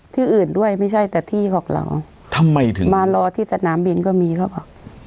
ที่อื่นด้วยไม่ใช่แต่ที่ของเราทำไมถึงมารอที่สนามบินก็มีเขาบอก